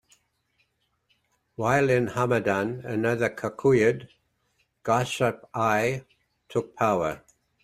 While in Hamadan another Kakuyid, Garshasp I, took power.